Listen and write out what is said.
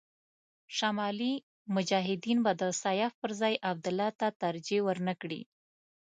شمالي مجاهدین به د سیاف پر ځای عبدالله ته ترجېح ور نه کړي.